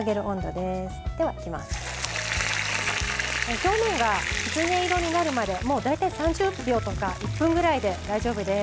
表面がキツネ色になるまで大体３０秒とか１分ぐらいで大丈夫です。